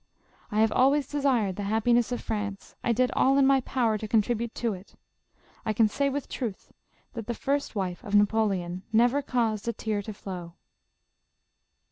I have always desired the happiness of France ; I did all in my power to con tribute to it ; I can say with truth, that the first wife of Napoleon never caused a tear to flow."